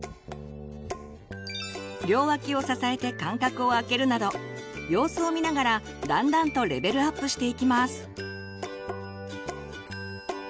両脇を支えて間隔を空けるなど様子を見ながらだんだんとレベルアップしていきます。